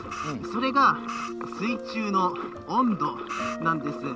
それが水中の温度なんです。